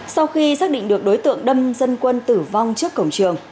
sau khi xác định được đối tượng đâm dân quân tử vong trước cổng trường